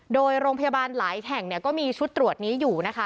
โดยโรงพยาบาลหลายแห่งก็มีชุดตรวจนี้อยู่นะคะ